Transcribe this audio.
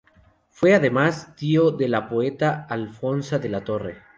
Fue además, tío de la poeta Alfonsa de la Torre.